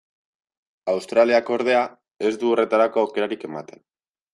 Australiak, ordea, ez du horretarako aukerarik ematen.